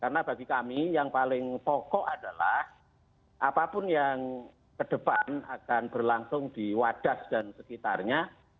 karena bagi kami yang paling pokok adalah apapun yang kedepan akan berlangsung di wadas dan sekitarnya